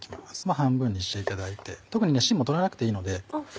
半分にしていただいて特にしんも取らなくていいので。